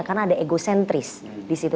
karena ada egocentris disitu